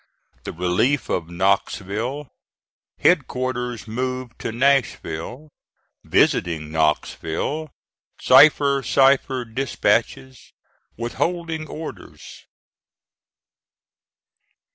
THE RELIEF OF KNOXVILLE HEADQUARTERS MOVED TO NASHVILLE VISITING KNOXVILLE CIPHER DISPATCHES WITHHOLDING ORDERS.